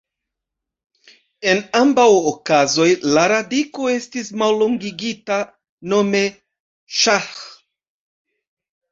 En ambaŭ okazoj la radiko estis mallongigita, nome ŝah.